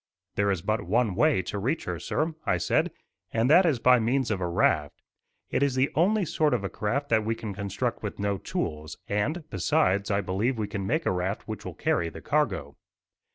"There is but one way to reach her, sir," I said, "and that is by means of a raft. It is the only sort of a craft that we can construct with no tools, and, besides, I believe we can make a raft which will carry the cargo."